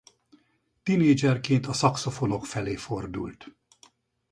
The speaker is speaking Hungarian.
Tinédzserként a szaxofonok felé fordult.